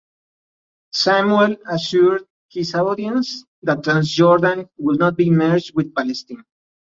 Samuel assured his audience that Transjordan would not be merged with Palestine.